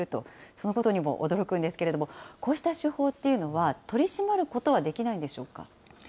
そのことにも驚くんですけれども、こうした手法っていうのは、取り締まることはできないんでしょうか。